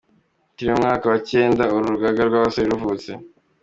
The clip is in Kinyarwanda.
Turi mu mwaka wa cyenda uru rugaga rw’abagore ruvutse ;